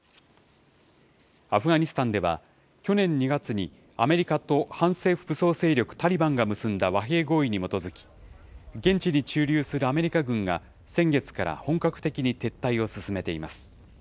アフガニスタンでは、去年２月にアメリカと反政府武装勢力、タリバンが結んだ和平合意に基づき現地に駐留するアメリカ軍が先月から本格的に撤退を進めています。